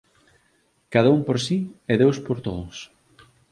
Cada un por si e Deus por todos.